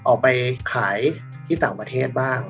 ออกไปขายที่ต่างประเทศบ้าง